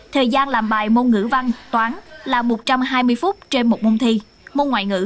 thời gian làm bài môn ngữ văn toán là một trăm hai mươi phút trên một môn thi môn ngoại ngữ sáu mươi phút